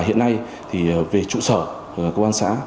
hiện nay về trụ sở công an xã